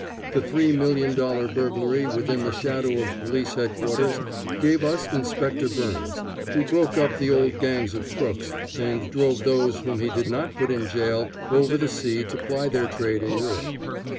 The three million dollar burglary within the shadow of Police Headquarters gave us Inspector Byrnes, who broke up the old gangs of crooks and drove those whom he did not put in jail over the sea to ply their trade in Europe.